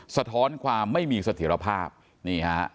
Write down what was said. สะท้อนความไม่มีเสถียรภาพนี่ฮะ